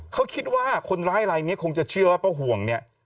เขาคิดว่าคนร้ายลายนี้คงจะเชื่อว่าป้าห่วงเนี่ย